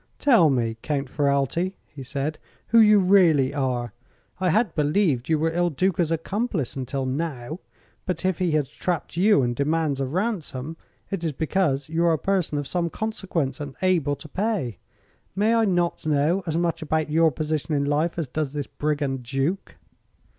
"Tell me, Count Ferralti," he said, "who you really are. I had believed you were Il Duca's accomplice, until now. But if he has trapped you, and demands a ransom, it is because you are a person of some consequence, and able to pay. May I not know as much about your position in life as does this brigand duke?"